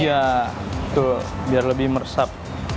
iya betul biar lebih meresap